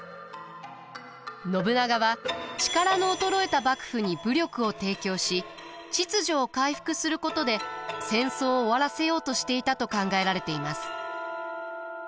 信長は力の衰えた幕府に武力を提供し秩序を回復することで戦争を終わらせようとしていたと考えられています。